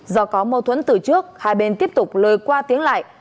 do có mâu thuẫn từ trước hai bên tiếp tục lời qua tiếng lại